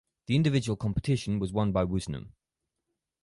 The individual competition was won by Woosnam.